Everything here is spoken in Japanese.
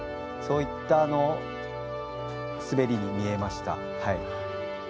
そういった滑りに見えました。